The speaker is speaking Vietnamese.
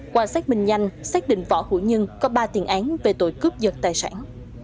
qua xét minh nhanh xét định võ hữu nhân có ba tiền án về tội cướp giật tài sản